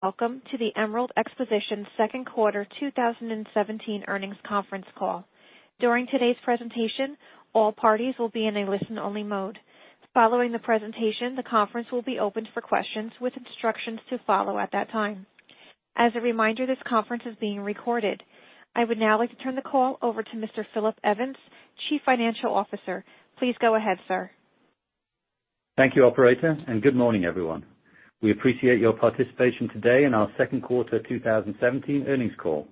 Welcome to the Emerald Expositions second quarter 2017 earnings conference call. During today's presentation, all parties will be in a listen-only mode. Following the presentation, the conference will be opened for questions with instructions to follow at that time. As a reminder, this conference is being recorded. I would now like to turn the call over to Mr. Philip Evans, Chief Financial Officer. Please go ahead, sir. Thank you, operator. Good morning, everyone. We appreciate your participation today in our second quarter 2017 earnings call.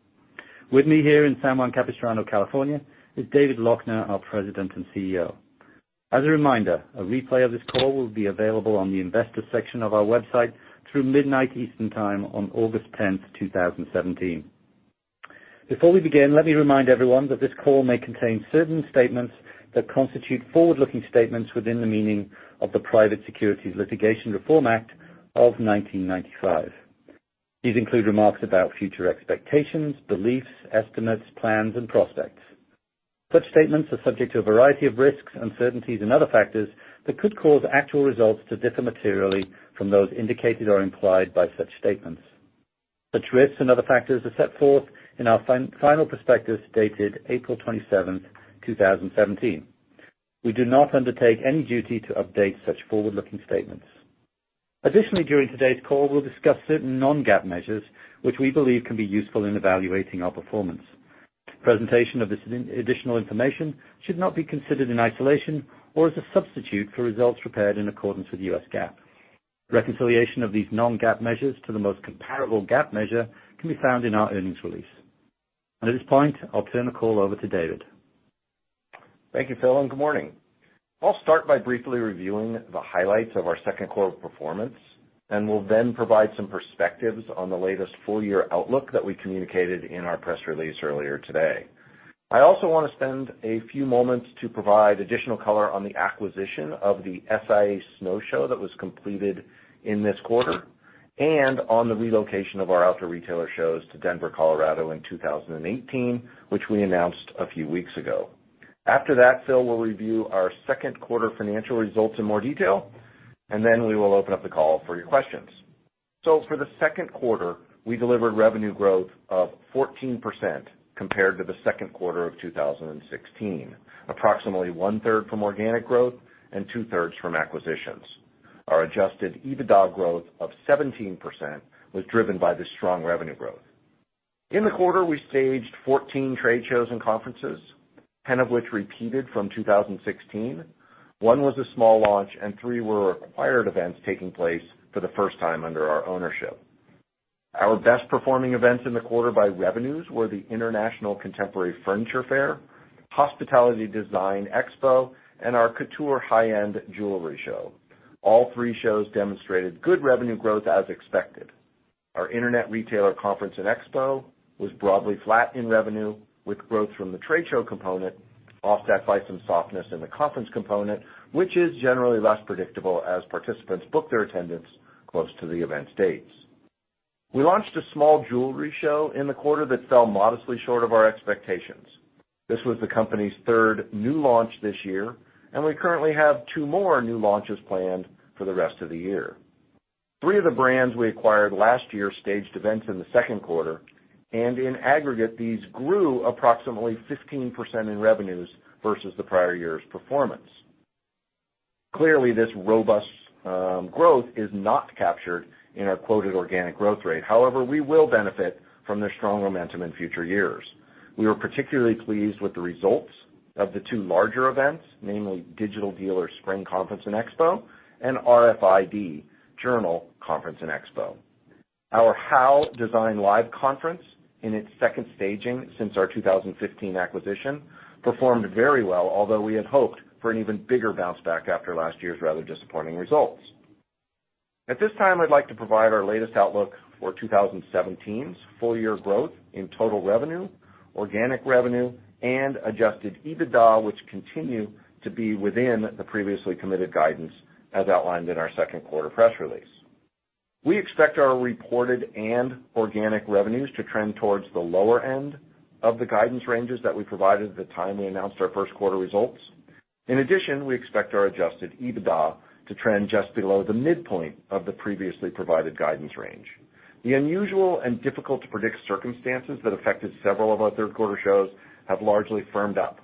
With me here in San Juan Capistrano, California, is David Loechner, our President and CEO. As a reminder, a replay of this call will be available on the investors section of our website through midnight Eastern time on August 10th, 2017. Before we begin, let me remind everyone that this call may contain certain statements that constitute forward-looking statements within the meaning of the Private Securities Litigation Reform Act of 1995. These include remarks about future expectations, beliefs, estimates, plans, and prospects. Such statements are subject to a variety of risks, uncertainties, and other factors that could cause actual results to differ materially from those indicated or implied by such statements. Such risks and other factors are set forth in our final prospectus, dated April 27th, 2017. We do not undertake any duty to update such forward-looking statements. Additionally, during today's call, we'll discuss certain non-GAAP measures which we believe can be useful in evaluating our performance. Presentation of this additional information should not be considered in isolation or as a substitute for results prepared in accordance with US GAAP. Reconciliation of these non-GAAP measures to the most comparable GAAP measure can be found in our earnings release. At this point, I'll turn the call over to David. Thank you, Phil. Good morning. I'll start by briefly reviewing the highlights of our second quarter performance, and will then provide some perspectives on the latest full-year outlook that we communicated in our press release earlier today. I also want to spend a few moments to provide additional color on the acquisition of the SIA Snow Show that was completed in this quarter, and on the relocation of our Outdoor Retailer shows to Denver, Colorado in 2018, which we announced a few weeks ago. After that, Phil will review our second quarter financial results in more detail, and then we will open up the call for your questions. For the second quarter, we delivered revenue growth of 14% compared to the second quarter of 2016. Approximately one-third from organic growth and two-thirds from acquisitions. Our adjusted EBITDA growth of 17% was driven by the strong revenue growth. In the quarter, we staged 14 trade shows and conferences, 10 of which repeated from 2016. One was a small launch, and three were acquired events taking place for the first time under our ownership. Our best-performing events in the quarter by revenues were the International Contemporary Furniture Fair, Hospitality Design Expo, and our COUTURE high-end jewelry show. All three shows demonstrated good revenue growth as expected. Our Internet Retailer Conference & Exhibition was broadly flat in revenue, with growth from the trade show component offset by some softness in the conference component, which is generally less predictable as participants book their attendance close to the event's dates. We launched a small jewelry show in the quarter that fell modestly short of our expectations. This was the company's third new launch this year, and we currently have two more new launches planned for the rest of the year. Three of the brands we acquired last year staged events in the second quarter, and in aggregate, these grew approximately 15% in revenues versus the prior year's performance. Clearly, this robust growth is not captured in our quoted organic growth rate. We will benefit from their strong momentum in future years. We were particularly pleased with the results of the two larger events, namely Digital Dealer Conference & Expo and RFID Journal LIVE!. Our HOW Design Live conference, in its second staging since our 2015 acquisition, performed very well, although we had hoped for an even bigger bounce back after last year's rather disappointing results. At this time, I'd like to provide our latest outlook for 2017's full-year growth in total revenue, organic revenue, and adjusted EBITDA, which continue to be within the previously committed guidance as outlined in our second quarter press release. We expect our reported and organic revenues to trend towards the lower end of the guidance ranges that we provided at the time we announced our first quarter results. We expect our adjusted EBITDA to trend just below the midpoint of the previously provided guidance range. The unusual and difficult-to-predict circumstances that affected several of our third quarter shows have largely firmed up,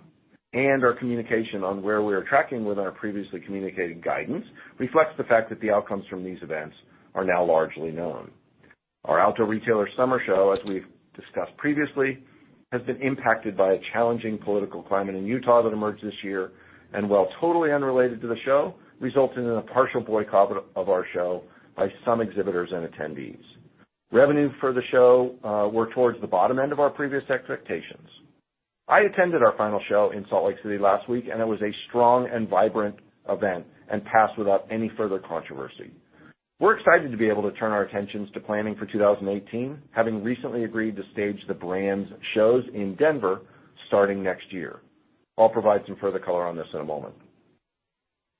and our communication on where we are tracking with our previously communicated guidance reflects the fact that the outcomes from these events are now largely known. Our Outdoor Retailer Summer Market, as we've discussed previously, has been impacted by a challenging political climate in Utah that emerged this year, and while totally unrelated to the show, resulted in a partial boycott of our show by some exhibitors and attendees. Revenue for the show were towards the bottom end of our previous expectations. I attended our final show in Salt Lake City last week, and it was a strong and vibrant event and passed without any further controversy. We're excited to be able to turn our attentions to planning for 2018, having recently agreed to stage the brand's shows in Denver starting next year. I'll provide some further color on this in a moment.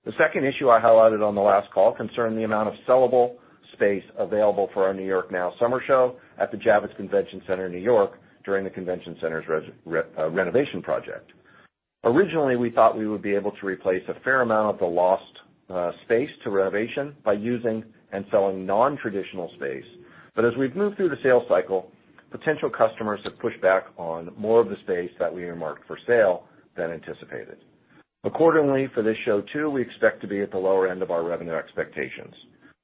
The second issue I highlighted on the last call concerned the amount of sellable space available for our NY NOW Summer Show at the Javits Convention Center in New York during the convention center's renovation project. We thought we would be able to replace a fair amount of the lost space to renovation by using and selling non-traditional space. As we've moved through the sales cycle, potential customers have pushed back on more of the space that we earmarked for sale than anticipated. Accordingly, for this show, too, we expect to be at the lower end of our revenue expectations.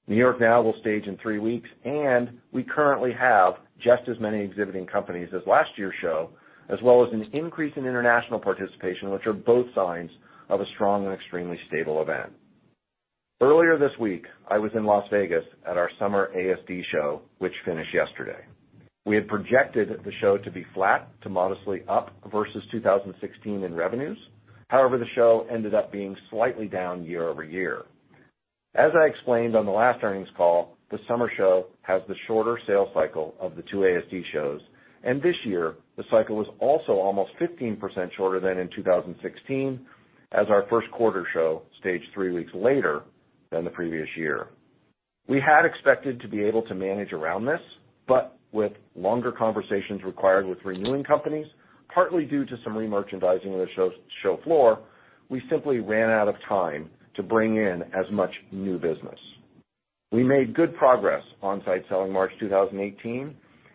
New York NOW will stage in three weeks, and we currently have just as many exhibiting companies as last year's show, as well as an increase in international participation, which are both signs of a strong and extremely stable event. Earlier this week, I was in Las Vegas at our summer ASD show, which finished yesterday. We had projected the show to be flat to modestly up versus 2016 in revenues. However, the show ended up being slightly down year-over-year. As I explained on the last earnings call, the summer show has the shorter sales cycle of the two ASD shows, and this year, the cycle was also almost 15% shorter than in 2016, as our first quarter show staged three weeks later than the previous year. We had expected to be able to manage around this, but with longer conversations required with renewing companies, partly due to some remerchandising of the show floor, we simply ran out of time to bring in as much new business. We made good progress on-site selling March 2018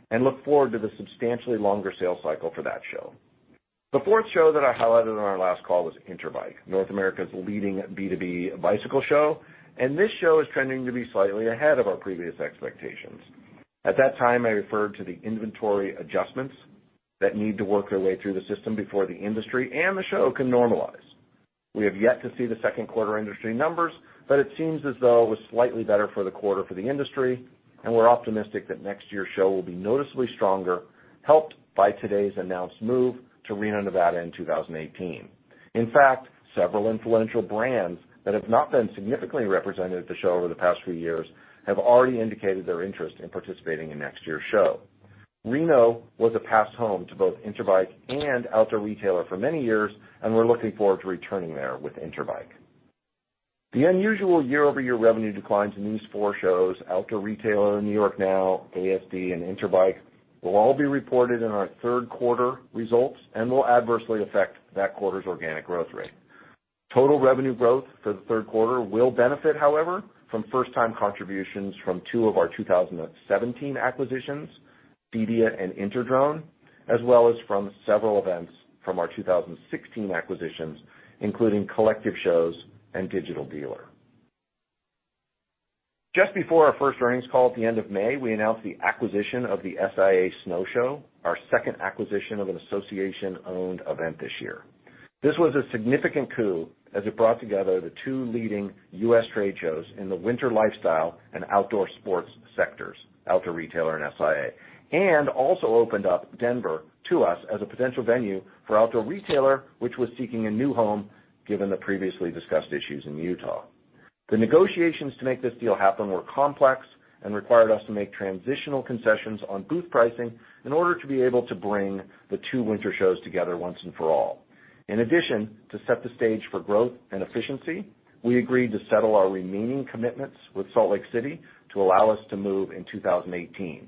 and look forward to the substantially longer sales cycle for that show. The fourth show that I highlighted on our last call was Interbike, North America's leading B2B bicycle show, and this show is trending to be slightly ahead of our previous expectations. At that time, I referred to the inventory adjustments that need to work their way through the system before the industry and the show can normalize. We have yet to see the second quarter industry numbers, but it seems as though it was slightly better for the quarter for the industry, and we're optimistic that next year's show will be noticeably stronger, helped by today's announced move to Reno, Nevada, in 2018. In fact, several influential brands that have not been significantly represented at the show over the past few years have already indicated their interest in participating in next year's show. Reno was a past home to both Interbike and Outdoor Retailer for many years, and we're looking forward to returning there with Interbike. The unusual year-over-year revenue declines in these four shows, Outdoor Retailer, New York NOW, ASD, and Interbike, will all be reported in our third quarter results and will adversely affect that quarter's organic growth rate. Total revenue growth for the third quarter will benefit, however, from first-time contributions from two of our 2017 acquisitions, CEDIA and InterDrone, as well as from several events from our 2016 acquisitions, including Collective Shows and Digital Dealer. Just before our first earnings call at the end of May, we announced the acquisition of the SIA Snow Show, our second acquisition of an association-owned event this year. This was a significant coup as it brought together the two leading U.S. trade shows in the winter lifestyle and outdoor sports sectors, Outdoor Retailer and SIA, and also opened up Denver to us as a potential venue for Outdoor Retailer, which was seeking a new home given the previously discussed issues in Utah. The negotiations to make this deal happen were complex and required us to make transitional concessions on booth pricing in order to be able to bring the two winter shows together once and for all. In addition, to set the stage for growth and efficiency, we agreed to settle our remaining commitments with Salt Lake City to allow us to move in 2018,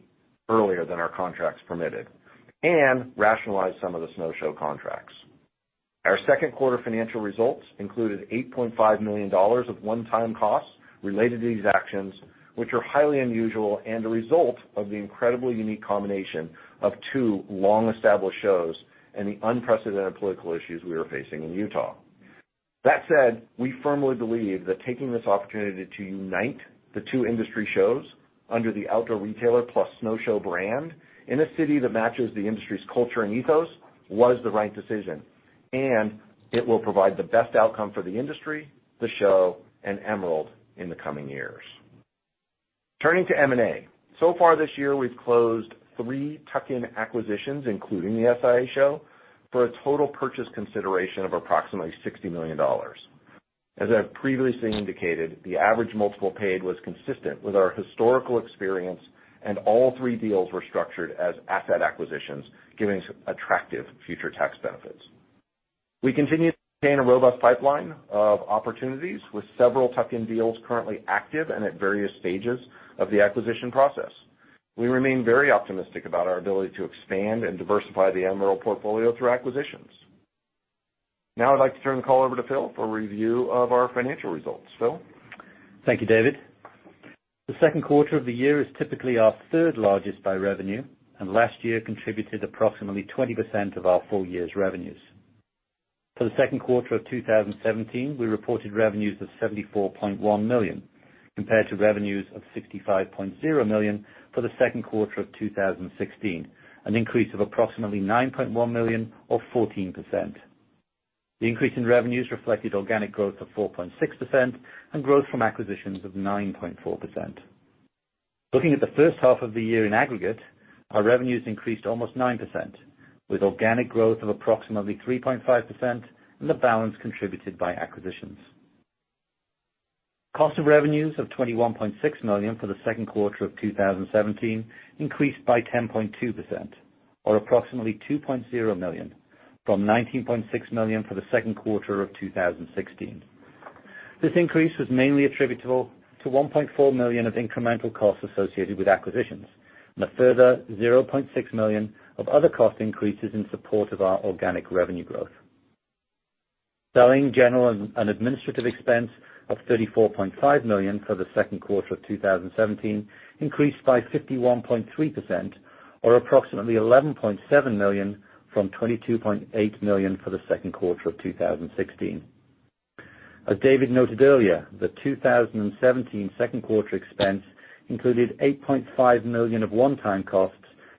earlier than our contracts permitted, and rationalize some of the Snow Show contracts. Our second quarter financial results included $8.5 million of one-time costs related to these actions, which are highly unusual and a result of the incredibly unique combination of two long-established shows and the unprecedented political issues we are facing in Utah. That said, we firmly believe that taking this opportunity to unite the two industry shows under the Outdoor Retailer plus Snow Show brand in a city that matches the industry's culture and ethos was the right decision, and it will provide the best outcome for the industry, the show, and Emerald in the coming years. Turning to M&A. So far this year, we've closed three tuck-in acquisitions, including the SIA show, for a total purchase consideration of approximately $60 million. As I've previously indicated, the average multiple paid was consistent with our historical experience, and all three deals were structured as asset acquisitions, giving attractive future tax benefits. We continue to maintain a robust pipeline of opportunities with several tuck-in deals currently active and at various stages of the acquisition process. We remain very optimistic about our ability to expand and diversify the Emerald portfolio through acquisitions. Now I'd like to turn the call over to Phil for a review of our financial results. Phil? Thank you, David. The second quarter of the year is typically our third largest by revenue, and last year contributed approximately 20% of our full year's revenues. For the second quarter of 2017, we reported revenues of $74.1 million, compared to revenues of $65.0 million for the second quarter of 2016, an increase of approximately $9.1 million or 14%. The increase in revenues reflected organic growth of 4.6% and growth from acquisitions of 9.4%. Looking at the first half of the year in aggregate, our revenues increased almost 9%, with organic growth of approximately 3.5% and the balance contributed by acquisitions. Cost of revenues of $21.6 million for the second quarter of 2017 increased by 10.2%, or approximately $2.0 million from $19.6 million for the second quarter of 2016. This increase was mainly attributable to $1.4 million of incremental costs associated with acquisitions, and a further $0.6 million of other cost increases in support of our organic revenue growth. Selling, general, and administrative expense of $34.5 million for the second quarter of 2017 increased by 51.3%, or approximately $11.7 million from $22.8 million for the second quarter of 2016. As David noted earlier, the 2017 second quarter expense included $8.5 million of one-time costs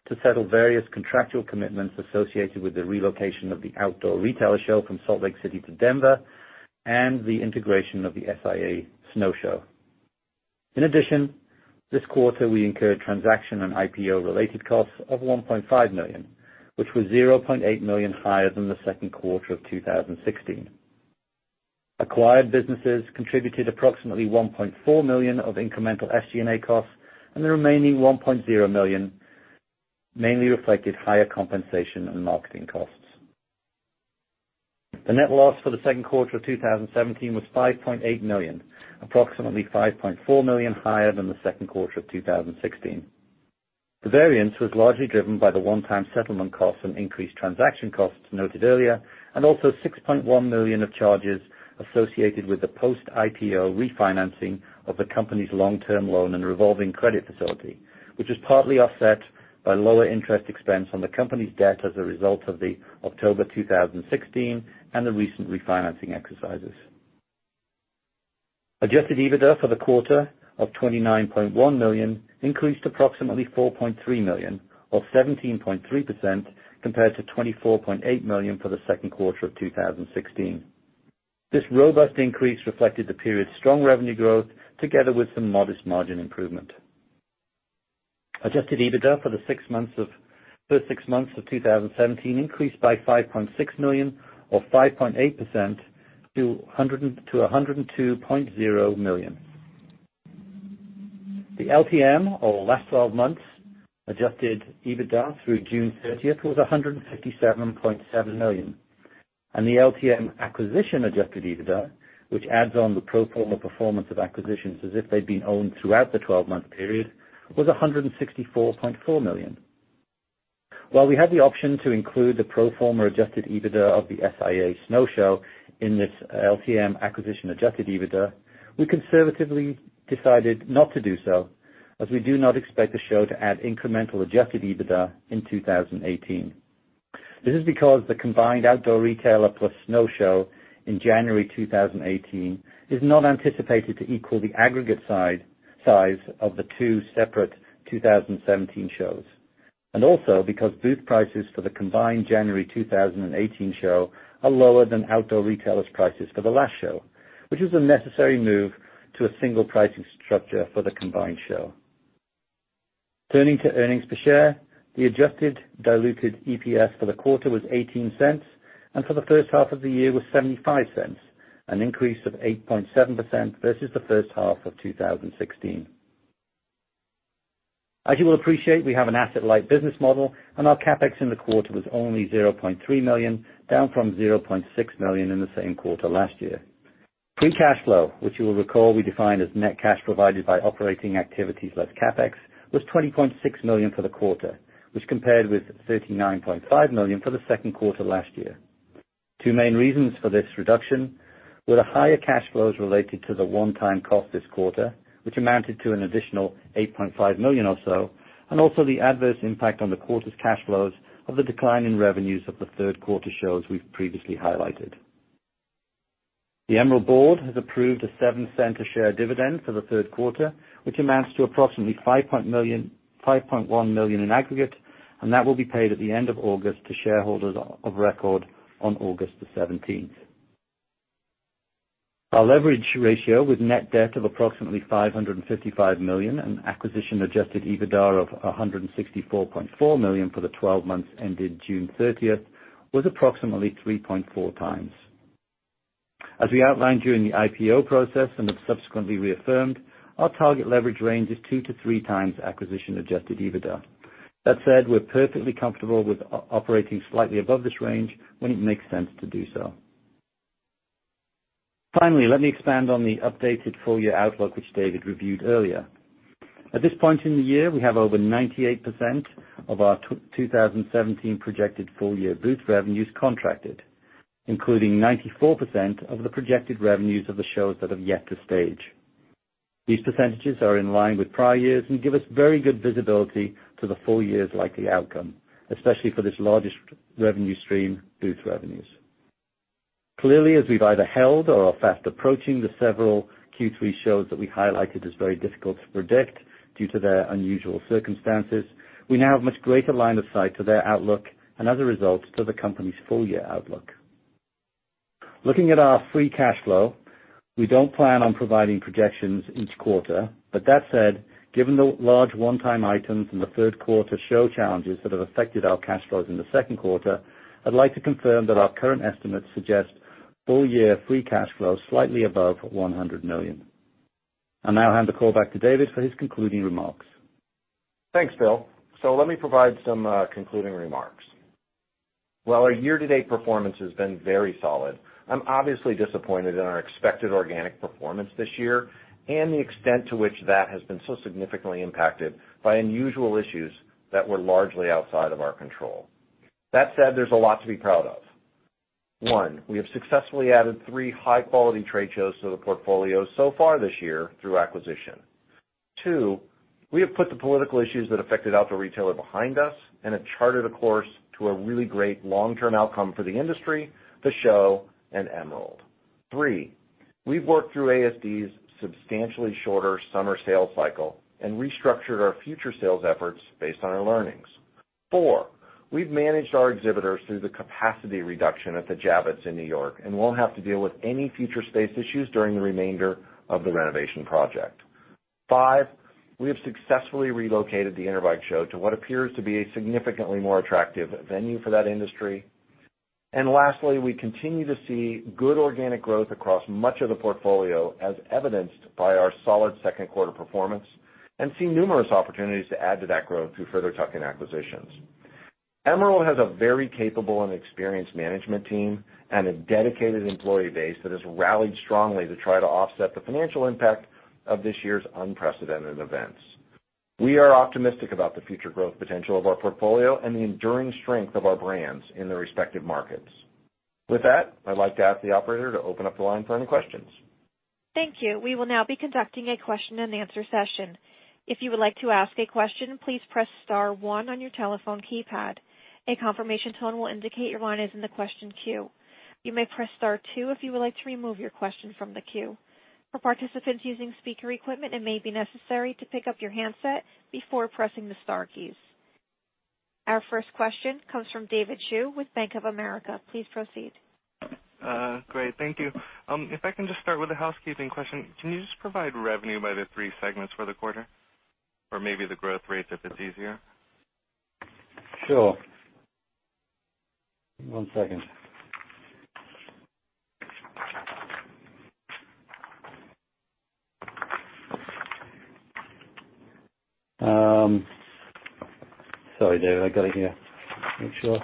to settle various contractual commitments associated with the relocation of the Outdoor Retailer Show from Salt Lake City to Denver, and the integration of the SIA Snow Show. In addition, this quarter, we incurred transaction and IPO-related costs of $1.5 million, which were $0.8 million higher than the second quarter of 2016. Acquired businesses contributed approximately $1.4 million of incremental SG&A costs, and the remaining $1.0 million mainly reflected higher compensation and marketing costs. The net loss for the second quarter of 2017 was $5.8 million, approximately $5.4 million higher than the second quarter of 2016. The variance was largely driven by the one-time settlement costs and increased transaction costs noted earlier, and also $6.1 million of charges associated with the post-IPO refinancing of the company's long-term loan and revolving credit facility, which was partly offset by lower interest expense on the company's debt as a result of the October 2016 and the recent refinancing exercises. Adjusted EBITDA for the quarter of $29.1 million increased approximately $4.3 million, or 17.3%, compared to $24.8 million for the second quarter of 2016. This robust increase reflected the period's strong revenue growth together with some modest margin improvement. Adjusted EBITDA for the first six months of 2017 increased by $5.6 million or 5.8% to $102.0 million. The LTM, or last 12 months, adjusted EBITDA through June 30th was $157.7 million. The LTM acquisition adjusted EBITDA, which adds on the pro forma performance of acquisitions as if they'd been owned throughout the 12-month period, was $164.4 million. While we had the option to include the pro forma adjusted EBITDA of the SIA Snow Show in this LTM acquisition adjusted EBITDA, we conservatively decided not to do so, as we do not expect the show to add incremental adjusted EBITDA in 2018. This is because the combined Outdoor Retailer + Snow Show in January 2018 is not anticipated to equal the aggregate size of the two separate 2017 shows. Also because booth prices for the combined January 2018 show are lower than Outdoor Retailer's prices for the last show, which was a necessary move to a single pricing structure for the combined show. Turning to earnings per share, the adjusted diluted EPS for the quarter was $0.18, and for the first half of the year was $0.75, an increase of 8.7% versus the first half of 2016. As you will appreciate, we have an asset-light business model, and our CapEx in the quarter was only $0.3 million, down from $0.6 million in the same quarter last year. Free cash flow, which you will recall we define as net cash provided by operating activities less CapEx, was $20.6 million for the quarter, which compared with $39.5 million for the second quarter last year. Two main reasons for this reduction were the higher cash flows related to the one-time cost this quarter, which amounted to an additional $8.5 million or so, and also the adverse impact on the quarter's cash flows of the decline in revenues of the third quarter shows we've previously highlighted. The Emerald board has approved a $0.07 a share dividend for the third quarter, which amounts to approximately $5.1 million in aggregate, and that will be paid at the end of August to shareholders of record on August the 17th. Our leverage ratio with net debt of approximately $555 million and acquisition-adjusted EBITDA of $164.4 million for the 12 months ended June 30th, was approximately 3.4 times. As we outlined during the IPO process and have subsequently reaffirmed, our target leverage range is two to three times acquisition-adjusted EBITDA. That said, we're perfectly comfortable with operating slightly above this range when it makes sense to do so. Finally, let me expand on the updated full-year outlook, which David reviewed earlier. At this point in the year, we have over 98% of our 2017 projected full-year booth revenues contracted, including 94% of the projected revenues of the shows that have yet to stage. These percentages are in line with prior years and give us very good visibility to the full year's likely outcome, especially for this largest revenue stream, booth revenues. Clearly, as we've either held or are fast approaching the several Q3 shows that we highlighted as very difficult to predict due to their unusual circumstances, we now have much greater line of sight to their outlook and as a result, to the company's full year outlook. Looking at our free cash flow, we don't plan on providing projections each quarter. That said, given the large one-time items and the third quarter show challenges that have affected our cash flows in the second quarter, I'd like to confirm that our current estimates suggest full-year free cash flow slightly above $100 million. I'll now hand the call back to David for his concluding remarks. Thanks, Phil. Let me provide some concluding remarks. While our year-to-date performance has been very solid, I'm obviously disappointed in our expected organic performance this year and the extent to which that has been so significantly impacted by unusual issues that were largely outside of our control. That said, there's a lot to be proud of. One, we have successfully added three high-quality trade shows to the portfolio so far this year through acquisition. Two, we have put the political issues that affected Outdoor Retailer behind us and have charted a course to a really great long-term outcome for the industry, the show, and Emerald. Three, we've worked through ASD's substantially shorter summer sales cycle and restructured our future sales efforts based on our learnings. Four, we've managed our exhibitors through the capacity reduction at the Javits in New York and won't have to deal with any future space issues during the remainder of the renovation project. Five, we have successfully relocated the Interbike Show to what appears to be a significantly more attractive venue for that industry. Lastly, we continue to see good organic growth across much of the portfolio, as evidenced by our solid second quarter performance. We see numerous opportunities to add to that growth through further tuck-in acquisitions. Emerald has a very capable and experienced management team and a dedicated employee base that has rallied strongly to try to offset the financial impact of this year's unprecedented events. We are optimistic about the future growth potential of our portfolio and the enduring strength of our brands in their respective markets. With that, I'd like to ask the operator to open up the line for any questions. Thank you. We will now be conducting a question and answer session. If you would like to ask a question, please press star one on your telephone keypad. A confirmation tone will indicate your line is in the question queue. You may press star two if you would like to remove your question from the queue. For participants using speaker equipment, it may be necessary to pick up your handset before pressing the star keys. Our first question comes from David Xu with Bank of America. Please proceed. Great. Thank you. If I can just start with a housekeeping question. Can you just provide revenue by the three segments for the quarter? Maybe the growth rates, if it's easier? Sure. One second. Sorry, David, I got it here. Make sure,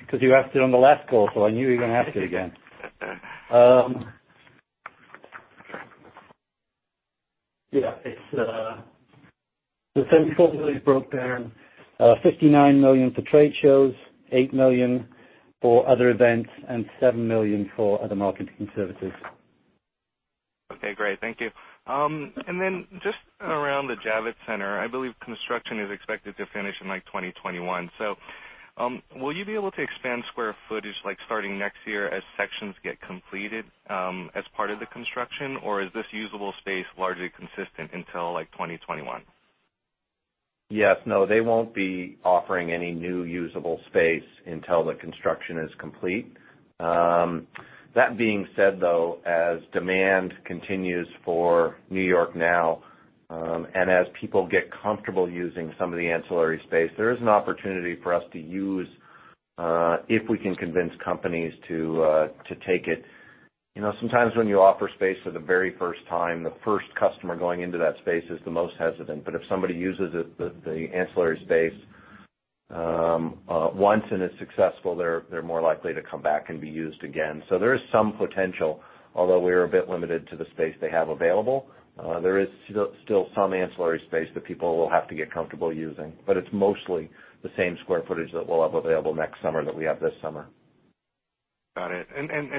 because you asked it on the last call, so I knew you were going to ask it again. Yeah. It's $74 million broken down, $59 million for trade shows, $8 million for other events, and $7 million for other marketing services. Okay, great. Thank you. Just around the Javits Center, I believe construction is expected to finish in like 2021. Will you be able to expand square footage like starting next year as sections get completed, as part of the construction? Or is this usable space largely consistent until like 2021? Yes. No, they won't be offering any new usable space until the construction is complete. That being said, though, as demand continues for NY NOW, and as people get comfortable using some of the ancillary space, there is an opportunity for us to use, if we can convince companies to take it. Sometimes when you offer space for the very first time, the first customer going into that space is the most hesitant. If somebody uses the ancillary space once and is successful, they're more likely to come back and be used again. There is some potential. Although we are a bit limited to the space they have available. There is still some ancillary space that people will have to get comfortable using. It's mostly the same square footage that we'll have available next summer that we have this summer. Got it.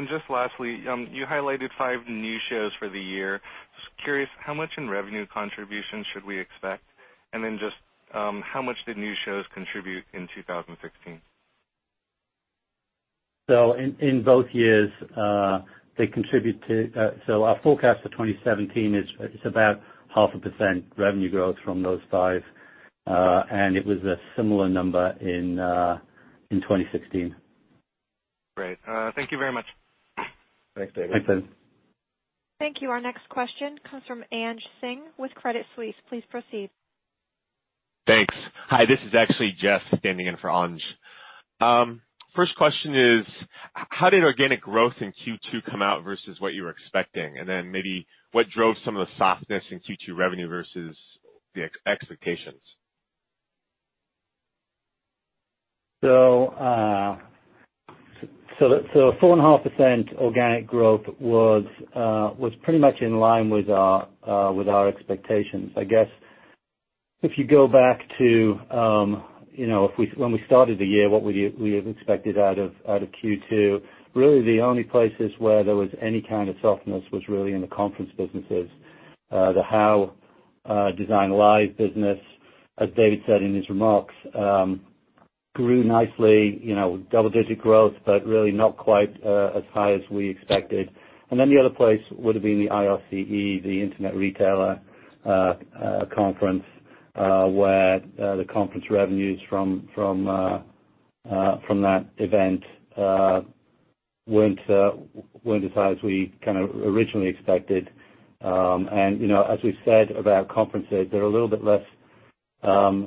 Just lastly, you highlighted five new shows for the year. Just curious, how much in revenue contribution should we expect? Just, how much did new shows contribute in 2016? In both years, our forecast for 2017 is about half a percent revenue growth from those five. It was a similar number in 2016. Great. Thank you very much. Thanks, David. Thanks. Thank you. Our next question comes from Anj Singh with Credit Suisse. Please proceed. Thanks. Hi, this is actually Jeff standing in for Anj. First question is, how did organic growth in Q2 come out versus what you were expecting? Maybe what drove some of the softness in Q2 revenue versus the expectations? 4.5% organic growth was pretty much in line with our expectations. I guess if you go back to when we started the year, what we had expected out of Q2, really the only places where there was any kind of softness was really in the conference businesses. The HOW Design Live business, as David said in his remarks, grew nicely, double-digit growth, but really not quite as high as we expected. The other place would've been the IRCE, the Internet Retailer Conference, where the conference revenues from that event weren't as high as we kind of originally expected. As we've said about conferences, they're a little bit less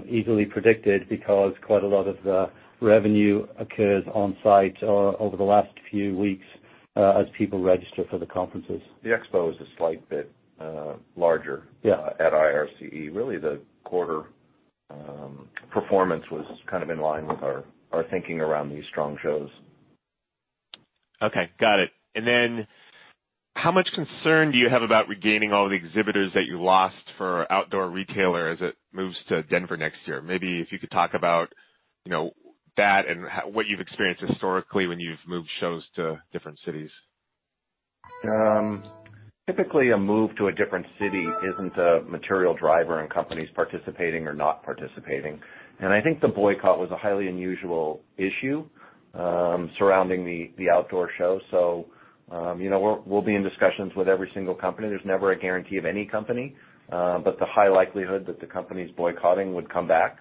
easily predicted because quite a lot of the revenue occurs on-site over the last few weeks As people register for the conferences. The expo is a slight bit larger. Yeah at IRCE. The quarter performance was kind of in line with our thinking around these strong shows. Okay. Got it. How much concern do you have about regaining all the exhibitors that you lost for Outdoor Retailer as it moves to Denver next year? Maybe if you could talk about that and what you've experienced historically when you've moved shows to different cities. Typically, a move to a different city isn't a material driver in companies participating or not participating. I think the boycott was a highly unusual issue surrounding the outdoor show. We'll be in discussions with every single company. There's never a guarantee of any company. The high likelihood that the companies boycotting would come back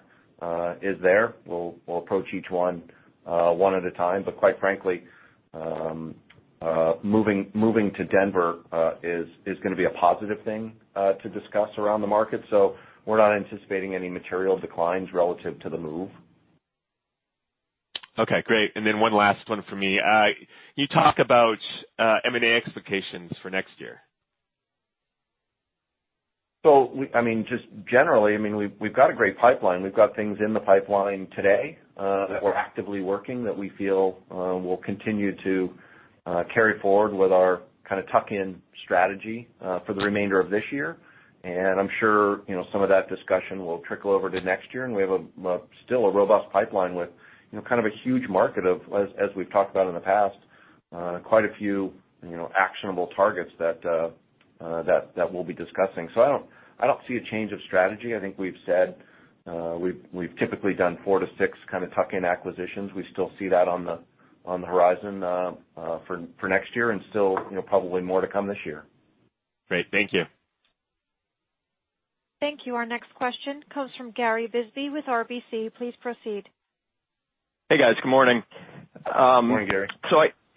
is there. We'll approach each one at a time. Quite frankly, moving to Denver is going to be a positive thing to discuss around the market. We're not anticipating any material declines relative to the move. Okay, great. One last one from me. You talk about M&A expectations for next year. Just generally, we've got a great pipeline. We've got things in the pipeline today. Sure that we're actively working that we feel will continue to carry forward with our kind of tuck-in strategy for the remainder of this year. I'm sure some of that discussion will trickle over to next year, we have still a robust pipeline with kind of a huge market of, as we've talked about in the past, quite a few actionable targets that we'll be discussing. I don't see a change of strategy. I think we've said we've typically done four to six kind of tuck-in acquisitions. We still see that on the horizon for next year and still probably more to come this year. Great. Thank you. Thank you. Our next question comes from Gary Bisbee with RBC. Please proceed. Hey, guys. Good morning. Morning, Gary.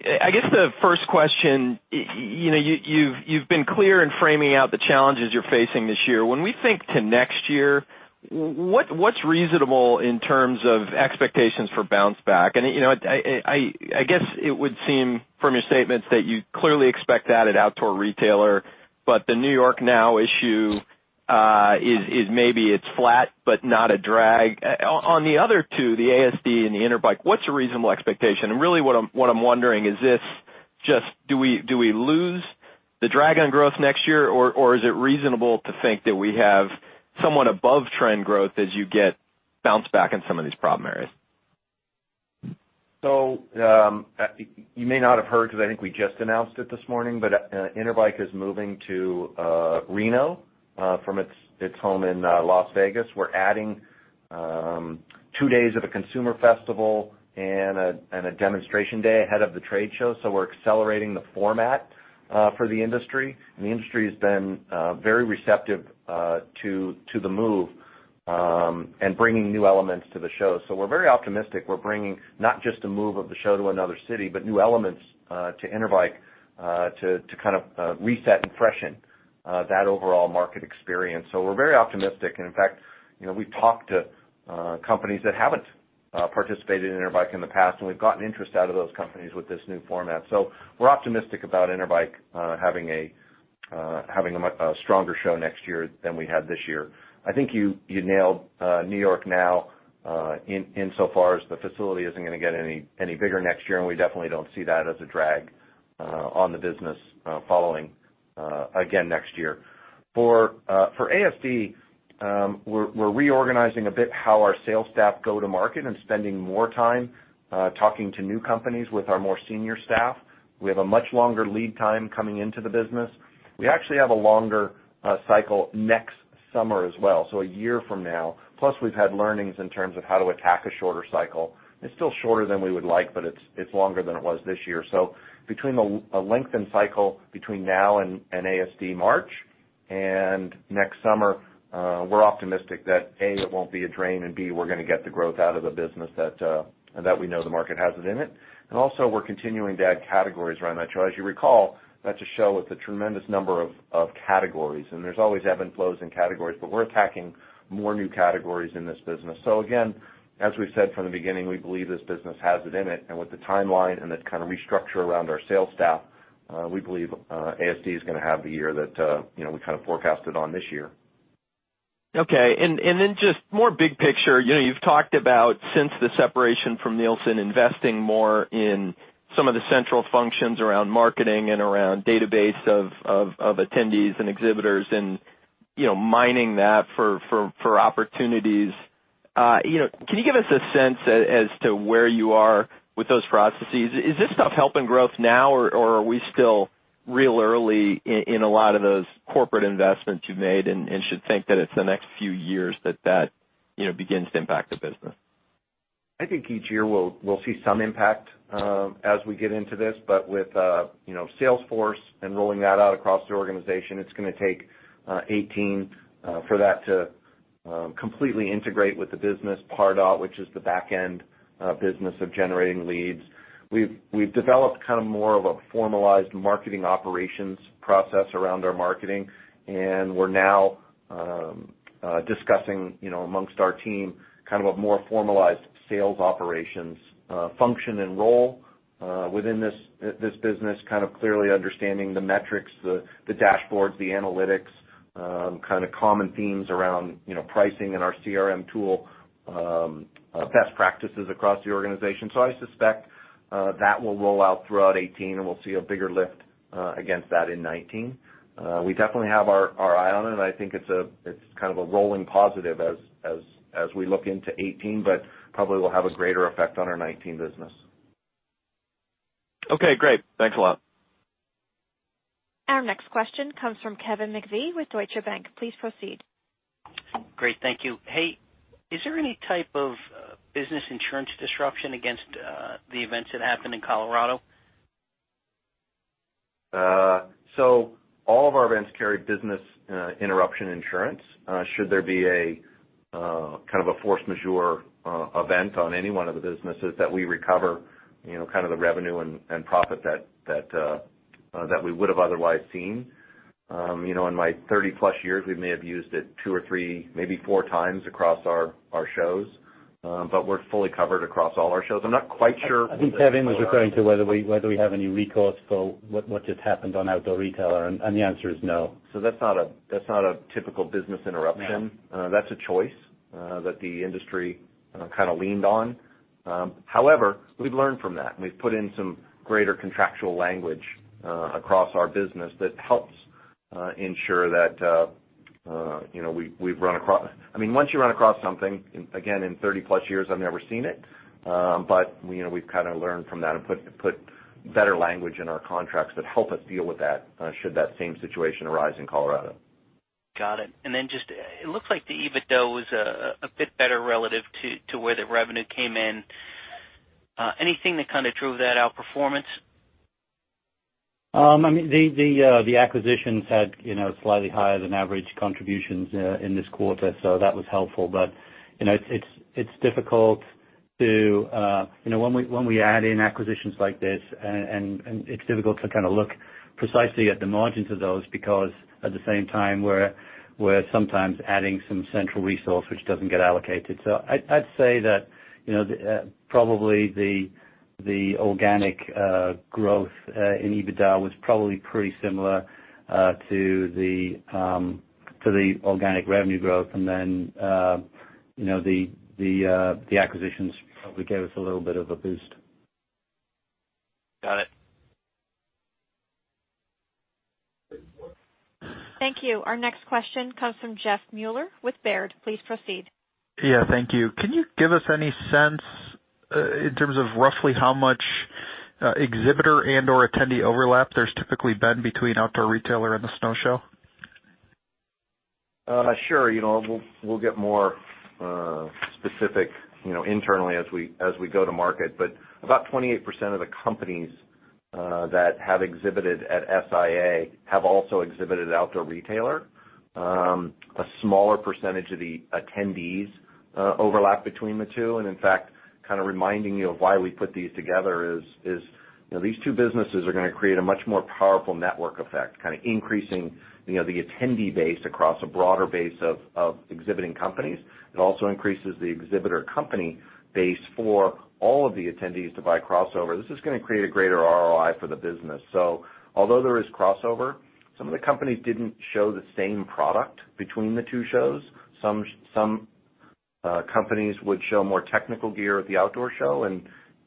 I guess the first question, you've been clear in framing out the challenges you're facing this year. When we think to next year, what's reasonable in terms of expectations for bounce-back? I guess it would seem from your statements that you clearly expect that at Outdoor Retailer, but the NY NOW issue is maybe it's flat, but not a drag. On the other two, the ASD and the Interbike, what's a reasonable expectation? Really what I'm wondering is this just, do we lose the drag on growth next year, or is it reasonable to think that we have somewhat above-trend growth as you get bounce-back in some of these problem areas? You may not have heard, because I think we just announced it this morning, Interbike is moving to Reno from its home in Las Vegas. We're adding two days of a consumer festival and a demonstration day ahead of the trade show. We're accelerating the format for the industry. The industry has been very receptive to the move and bringing new elements to the show. We're very optimistic. We're bringing not just a move of the show to another city, but new elements to Interbike to kind of reset and freshen that overall market experience. We're very optimistic. In fact, we've talked to companies that haven't participated in Interbike in the past, and we've gotten interest out of those companies with this new format. We're optimistic about Interbike having a stronger show next year than we had this year. I think you nailed NY NOW insofar as the facility isn't going to get any bigger next year. We definitely don't see that as a drag on the business following again next year. For ASD, we're reorganizing a bit how our sales staff go to market spending more time talking to new companies with our more senior staff. We have a much longer lead time coming into the business. We actually have a longer cycle next summer as well, so a year from now. We've had learnings in terms of how to attack a shorter cycle. It's still shorter than we would like, but it's longer than it was this year. Between a lengthened cycle between now and ASD March and next summer, we're optimistic that, A, it won't be a drain. B, we're going to get the growth out of the business that we know the market has it in it. Also, we're continuing to add categories around that show. As you recall, that's a show with a tremendous number of categories. There's always ebb and flows in categories, but we're attacking more new categories in this business. Again, as we've said from the beginning, we believe this business has it in it, with the timeline and the kind of restructure around our sales staff, we believe ASD is going to have the year that we kind of forecasted on this year. Okay. Then just more big picture. You've talked about since the separation from Nielsen, investing more in some of the central functions around marketing around database of attendees and exhibitors mining that for opportunities. Can you give us a sense as to where you are with those processes? Is this stuff helping growth now, or are we still real early in a lot of those corporate investments you've made should think that it's the next few years that that begins to impact the business? I think each year we'll see some impact as we get into this, with Salesforce and rolling that out across the organization, it's going to take 2018 for that to completely integrate with the business. Pardot, which is the back end business of generating leads. We've developed kind of more of a formalized marketing operations process around our marketing. We're now discussing amongst our team kind of a more formalized sales operations function and role within this business, kind of clearly understanding the metrics, the dashboards, the analytics. Kind of common themes around pricing and our CRM tool, best practices across the organization. I suspect that will roll out throughout 2018, we'll see a bigger lift against that in 2019. We definitely have our eye on it, and I think it's kind of a rolling positive as we look into 2018, but probably will have a greater effect on our 2019 business. Okay, great. Thanks a lot. Our next question comes from Kevin McVeigh with Deutsche Bank. Please proceed. Great. Thank you. Is there any type of business insurance disruption against the events that happened in Colorado? All of our events carry business interruption insurance. Should there be a kind of a force majeure event on any one of the businesses that we recover, kind of the revenue and profit that we would have otherwise seen. In my 30-plus years, we may have used it two or three, maybe four times across our shows. We're fully covered across all our shows. I'm not quite sure- I think Kevin was referring to whether we have any recourse for what just happened on Outdoor Retailer, the answer is no. That's not a typical business interruption. No. That's a choice that the industry kind of leaned on. However, we've learned from that, and we've put in some greater contractual language across our business that helps ensure that we've run across I mean, once you run across something, again, in 30-plus years, I've never seen it. We've kind of learned from that and put better language in our contracts that help us deal with that, should that same situation arise in Colorado. Got it. It looks like the EBITDA was a bit better relative to where the revenue came in. Anything that kind of drove that outperformance? The acquisitions had slightly higher than average contributions in this quarter, that was helpful. It's difficult when we add in acquisitions like this, it's difficult to kind of look precisely at the margins of those because at the same time, we're sometimes adding some central resource which doesn't get allocated. I'd say that probably the organic growth in EBITDA was probably pretty similar to the organic revenue growth. The acquisitions probably gave us a little bit of a boost. Got it. Thank you. Our next question comes from Jeffrey Meuler with Baird. Please proceed. Yeah. Thank you. Can you give us any sense in terms of roughly how much exhibitor and/or attendee overlap there's typically been between Outdoor Retailer and The Snow Show? Sure. We'll get more specific internally as we go to market. About 28% of the companies that have exhibited at SIA have also exhibited at Outdoor Retailer. A smaller percentage of the attendees overlap between the two. In fact, kind of reminding you of why we put these together is, these two businesses are going to create a much more powerful network effect, kind of increasing the attendee base across a broader base of exhibiting companies. It also increases the exhibitor company base for all of the attendees to buy crossover. This is going to create a greater ROI for the business. Although there is crossover, some of the companies didn't show the same product between the two shows. Some companies would show more technical gear at the Outdoor Retailer show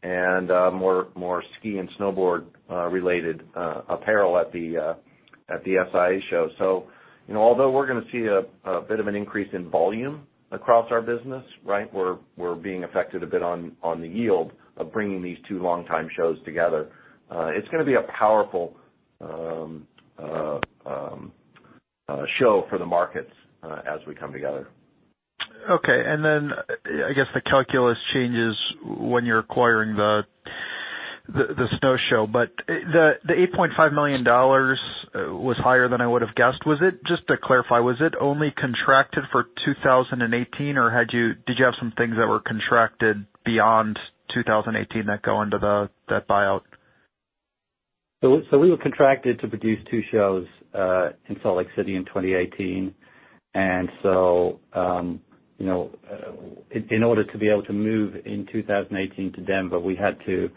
and more ski and snowboard-related apparel at the SIA show. Although we're going to see a bit of an increase in volume across our business, right? We're being affected a bit on the yield of bringing these two longtime shows together. It's going to be a powerful show for the markets as we come together. Okay. Then I guess the calculus changes when you're acquiring The Snow Show. The $8.5 million was higher than I would've guessed. Just to clarify, was it only contracted for 2018, or did you have some things that were contracted beyond 2018 that go into that buyout? We were contracted to produce two shows in Salt Lake City in 2018. In order to be able to move in 2018 to Denver, we had to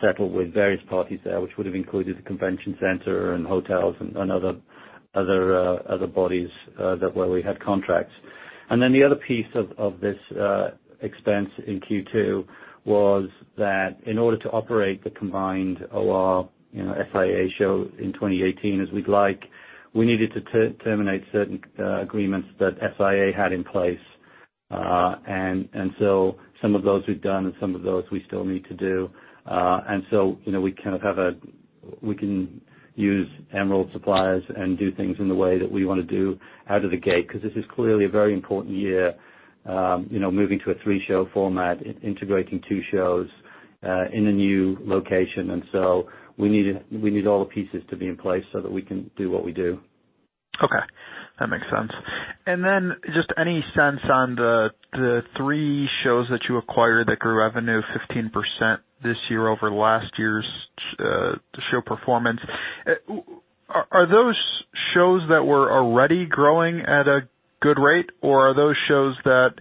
settle with various parties there, which would have included the convention center and hotels and other bodies where we had contracts. The other piece of this expense in Q2 was that in order to operate the combined OR SIA show in 2018 as we'd like, we needed to terminate certain agreements that SIA had in place. Some of those we've done, and some of those we still need to do. We can use Emerald suppliers and do things in the way that we want to do out of the gate, because this is clearly a very important year, moving to a three-show format, integrating two shows in a new location. We need all the pieces to be in place so that we can do what we do. Okay. That makes sense. Just any sense on the three shows that you acquired that grew revenue 15% this year over last year's show performance. Are those shows that were already growing at a good rate, or are those shows that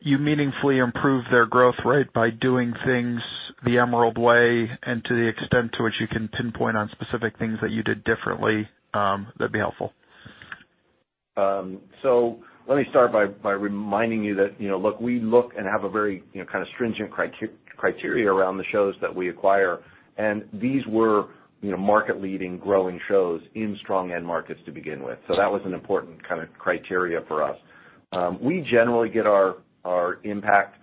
you meaningfully improve their growth rate by doing things the Emerald way, and to the extent to which you can pinpoint on specific things that you did differently, that'd be helpful. Let me start by reminding you that, we look and have a very stringent criteria around the shows that we acquire. These were market-leading growing shows in strong end markets to begin with. That was an important criteria for us. We generally get our impact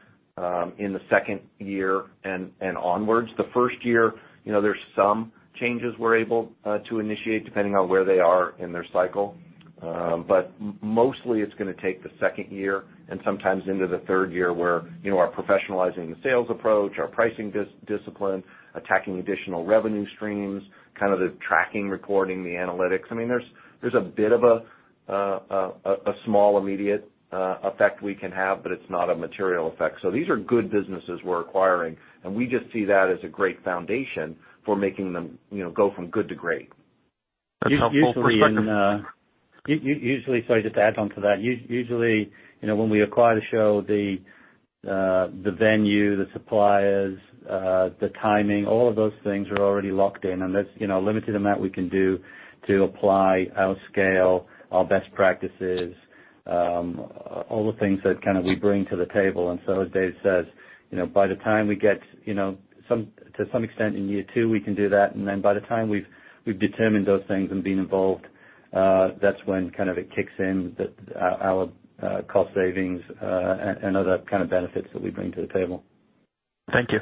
in the second year and onwards. The first year, there's some changes we're able to initiate depending on where they are in their cycle. Mostly it's going to take the second year and sometimes into the third year where our professionalizing the sales approach, our pricing discipline, attacking additional revenue streams, the tracking, recording, the analytics. There's a bit of a small, immediate effect we can have, but it's not a material effect. These are good businesses we're acquiring, and we just see that as a great foundation for making them go from good to great. That's helpful. Usually, sorry, just to add on to that. Usually, when we acquire the show, the venue, the suppliers, the timing, all of those things are already locked in, and there's a limited amount we can do to apply our scale, our best practices, all the things that we bring to the table. As Dave says, to some extent in year two, we can do that, and then by the time we've determined those things and been involved, that's when it kicks in that our cost savings and other kind of benefits that we bring to the table. Thank you.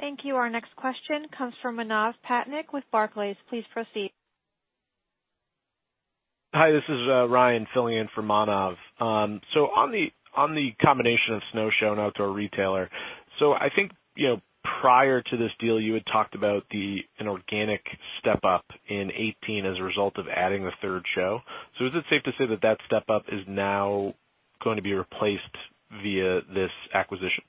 Thank you. Our next question comes from Manav Patnaik with Barclays. Please proceed. Hi, this is Ryan filling in for Manav. On the combination of Snow Show and Outdoor Retailer. I think, prior to this deal, you had talked about an organic step-up in 2018 as a result of adding the third show. Is it safe to say that step-up is now going to be replaced via this acquisition?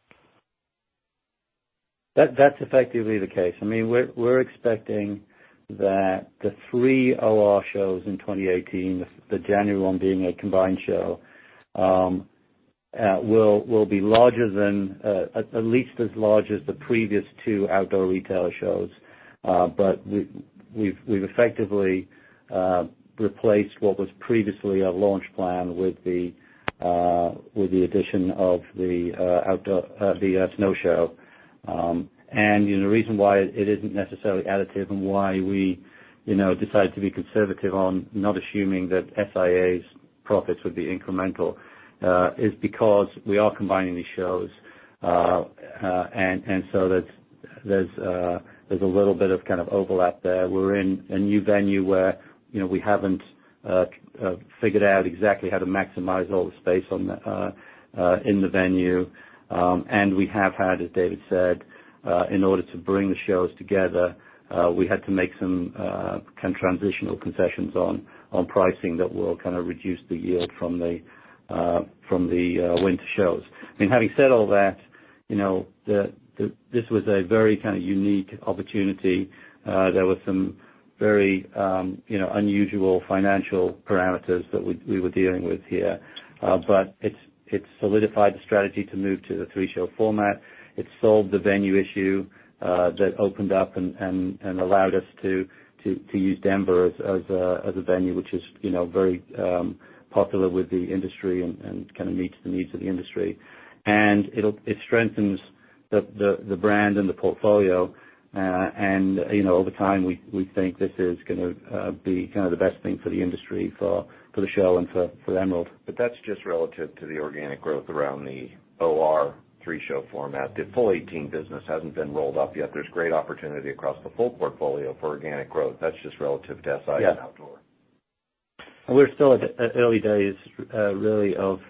That's effectively the case. We're expecting that the three OR shows in 2018, the January one being a combined show, will be at least as large as the previous two Outdoor Retailer shows. We've effectively replaced what was previously a launch plan with the addition of the Snow Show. The reason why it isn't necessarily additive and why we decided to be conservative on not assuming that SIA's profits would be incremental, is because we are combining these shows. There's a little bit of overlap there. We're in a new venue where we haven't figured out exactly how to maximize all the space in the venue. We have had, as David said, in order to bring the shows together, we had to make some transitional concessions on pricing that will reduce the yield from the winter shows. Having said all that, this was a very unique opportunity. There were some very unusual financial parameters that we were dealing with here. It solidified the strategy to move to the 3-show format. It solved the venue issue that opened up and allowed us to use Denver as a venue, which is very popular with the industry and meets the needs of the industry. It strengthens the brand and the portfolio. Over time, we think this is going to be the best thing for the industry, for the show and for Emerald. That's just relative to the organic growth around the OR 3-show format. The full 2018 business hasn't been rolled up yet. There's great opportunity across the full portfolio for organic growth. That's just relative to SIA and Outdoor. We're still at the early days, really, of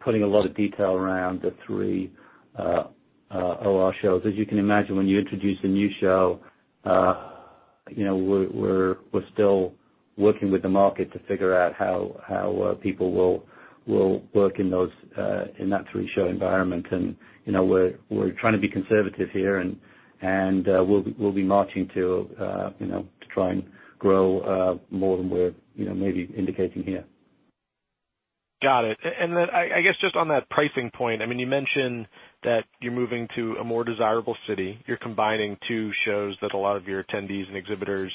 putting a lot of detail around the three OR shows. As you can imagine, when you introduce a new show, we're still working with the market to figure out how people will work in that three-show environment. We're trying to be conservative here, and we'll be marching to try and grow more than we're maybe indicating here. Got it. Then I guess just on that pricing point, you mentioned that you're moving to a more desirable city. You're combining two shows that a lot of your attendees and exhibitors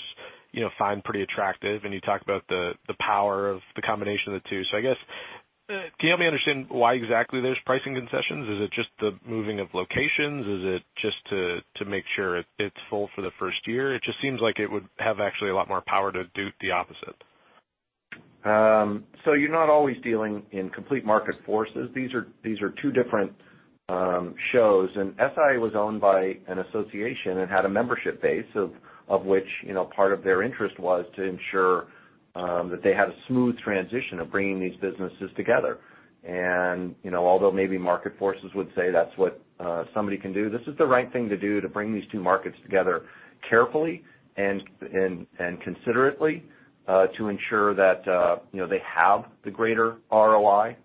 find pretty attractive, and you talk about the power of the combination of the two. I guess, can you help me understand why exactly there's pricing concessions? Is it just the moving of locations? Is it just to make sure it's full for the first year? It just seems like it would have actually a lot more power to do the opposite. You're not always dealing in complete market forces. These are two different shows, and SIA was owned by an association and had a membership base of which part of their interest was to ensure that they had a smooth transition of bringing these businesses together. Although maybe market forces would say that's what somebody can do, this is the right thing to do to bring these two markets together carefully and considerately, to ensure that they have the greater ROI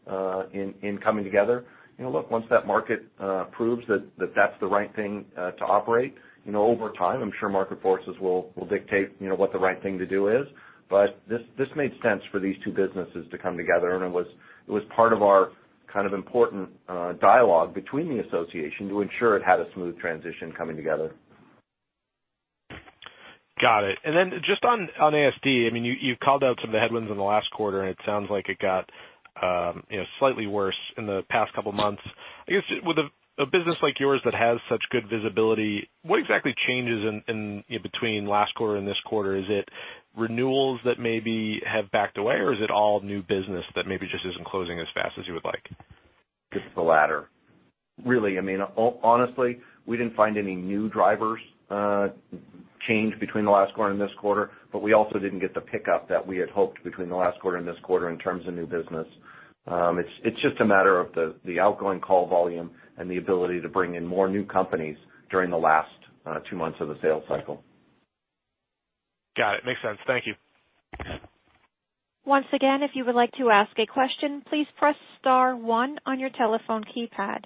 in coming together. Look, once that market proves that that's the right thing to operate, over time, I'm sure market forces will dictate what the right thing to do is. This made sense for these two businesses to come together, and it was part of our Kind of important dialogue between the association to ensure it had a smooth transition coming together. Got it. Then just on ASD, you called out some of the headwinds in the last quarter, and it sounds like it got slightly worse in the past couple of months. I guess with a business like yours that has such good visibility, what exactly changes in between last quarter and this quarter? Is it renewals that maybe have backed away, or is it all new business that maybe just isn't closing as fast as you would like? It's the latter. Really, honestly, we didn't find any new drivers change between the last quarter and this quarter. We also didn't get the pickup that we had hoped between the last quarter and this quarter in terms of new business. It's just a matter of the outgoing call volume and the ability to bring in more new companies during the last two months of the sales cycle. Got it. Makes sense. Thank you. Once again, if you would like to ask a question, please press * one on your telephone keypad.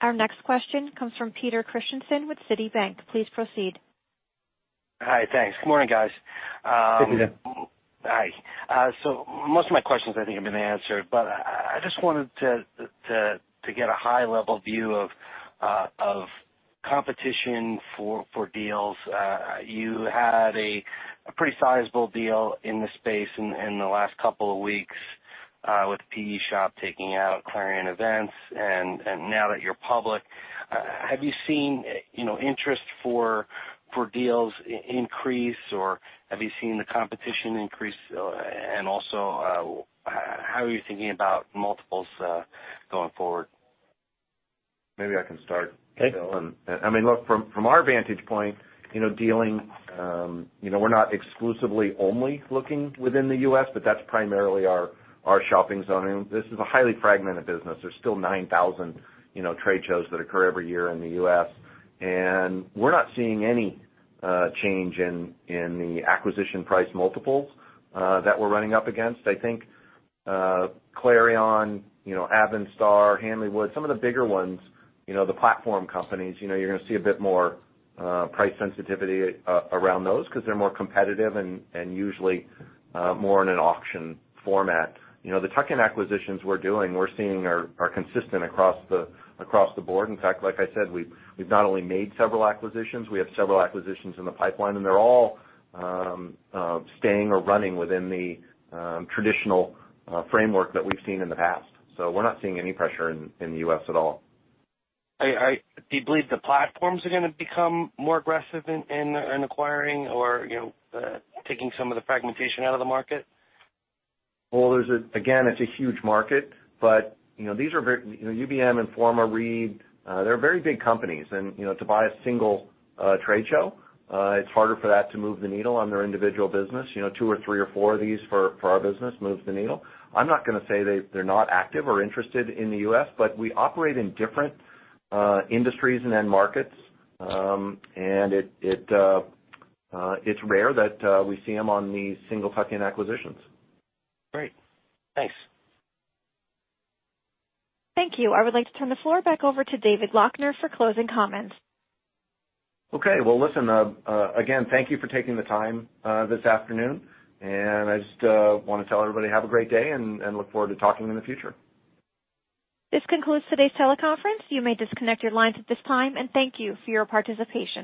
Our next question comes from Peter Christiansen with Citi. Please proceed. Hi, thanks. Good morning, guys. Hey, Peter. Hi. Most of my questions, I think, have been answered, but I just wanted to get a high-level view of competition for deals. You had a pretty sizable deal in the space in the last couple of weeks with PE shop taking out Clarion Events. Now that you're public, have you seen interest for deals increase, or have you seen the competition increase? Also, how are you thinking about multiples going forward? Maybe I can start, Bill. Okay. From our vantage point, dealing, we're not exclusively only looking within the U.S., but that's primarily our shopping zone. This is a highly fragmented business. There's still 9,000 trade shows that occur every year in the U.S., we're not seeing any change in the acquisition price multiples that we're running up against. I think Clarion, Advanstar, Hanley Wood, some of the bigger ones, the platform companies, you're going to see a bit more price sensitivity around those because they're more competitive and usually more in an auction format. The tuck-in acquisitions we're doing, we're seeing are consistent across the board. In fact, like I said, we've not only made several acquisitions, we have several acquisitions in the pipeline, they're all staying or running within the traditional framework that we've seen in the past. We're not seeing any pressure in the U.S. at all. Do you believe the platforms are going to become more aggressive in acquiring or taking some of the fragmentation out of the market? Well, again, it's a huge market. UBM, Informa, Reed, they're very big companies. To buy a single trade show, it's harder for that to move the needle on their individual business. Two or three or four of these for our business moves the needle. I'm not going to say they're not active or interested in the U.S., but we operate in different industries and end markets. It's rare that we see them on these single tuck-in acquisitions. Great. Thanks. Thank you. I would like to turn the floor back over to David Loechner for closing comments. Okay. Well, listen, again, thank you for taking the time this afternoon. I just want to tell everybody have a great day. Look forward to talking in the future. This concludes today's teleconference. You may disconnect your lines at this time. Thank you for your participation.